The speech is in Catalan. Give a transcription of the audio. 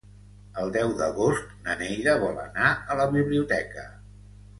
El deu d'agost na Neida vol anar a la biblioteca.